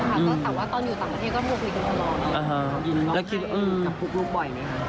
ร้องให้กำพุกลูกบ่อยไหมคะ